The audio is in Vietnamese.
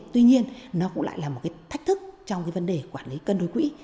tuy nhiên nó cũng lại là một cái thách thức trong cái vấn đề quản lý cân đối quỹ